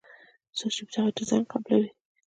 څوک چې دغه ډیزاین قبلوي.